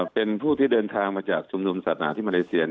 เป็นผู้ที่เดินทางมาจากชุมนุมศาสนาที่มาเลเซีย